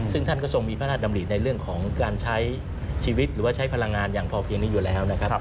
ซึ่งท่านก็ทรงมีพระราชดำริในเรื่องของการใช้ชีวิตหรือว่าใช้พลังงานอย่างพอเพียงนี้อยู่แล้วนะครับ